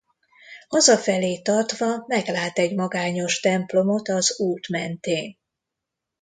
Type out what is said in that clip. Hazafelé tartva meglát egy magányos templomot az út mentén.